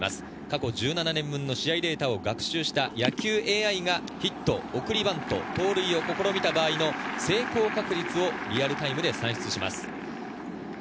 過去１７年分の試合を学習した野球ＡＩがヒット、送りバント、盗塁を試みた場合の成功確率をリアルタイムで算出します。